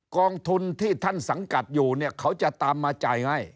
กองทุนที่ท่านสังกัดอยู่เนี่ยเขาจะตามมาจ่ายให้